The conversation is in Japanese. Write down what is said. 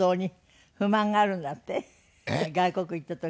外国行った時。